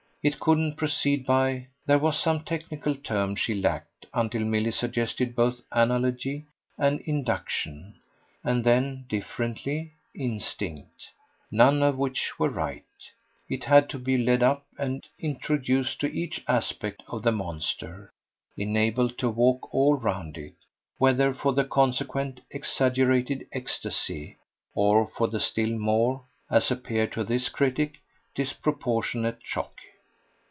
It couldn't proceed by there was some technical term she lacked until Milly suggested both analogy and induction, and then, differently, instinct, none of which were right: it had to be led up and introduced to each aspect of the monster, enabled to walk all round it, whether for the consequent exaggerated ecstasy or for the still more (as appeared to this critic) disproportionate shock.